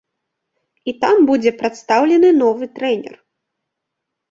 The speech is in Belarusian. І там будзе прадстаўлены новы трэнер.